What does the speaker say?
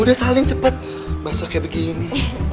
udah saling cepat basah kayak begini